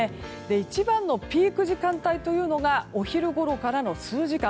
一番のピーク時間帯というのがお昼ごろからの数時間。